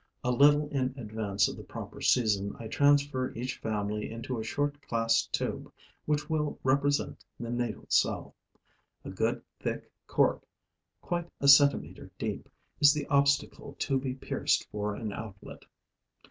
A little in advance of the proper season, I transfer each family into a short glass tube, which will represent the natal cell. A good, thick cork, quite a centimeter deep, is the obstacle to be pierced for an outlet.